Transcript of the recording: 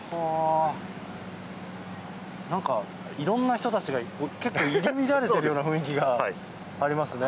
なんか色んな人たちが結構入り乱れている雰囲気がありますね。